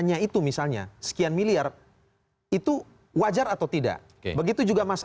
ya kita bisa men essentiasi ber serbia